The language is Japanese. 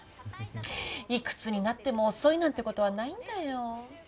いくつになっても遅いなんてことはないんだよ。